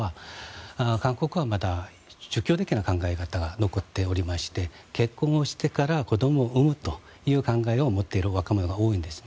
韓国はまだ儒教的な考え方が残っておりまして結婚をしてから子供を産むという考えを持っている若者が多いんです。